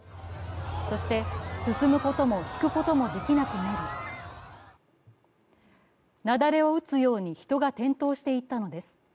そして進むことも引くこともできなくなり雪崩を打つように人が転倒していったのです。